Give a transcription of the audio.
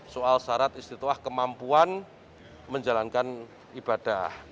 soal syarat istituah kemampuan menjalankan ibadah